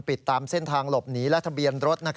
ติดตามเส้นทางหลบหนีและทะเบียนรถ